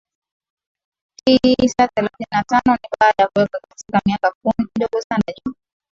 tisa thelathini na tano ni baada ya kuweka katika miaka kumi Kidogo sana juu